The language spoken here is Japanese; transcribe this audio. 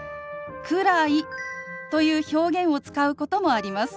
「くらい」という表現を使うこともあります。